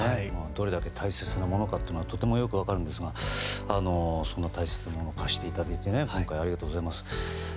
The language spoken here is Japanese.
どれだけ大切なのものかよく分かるんですがそんな大切なものを貸していただいて今回、ありがとうございます。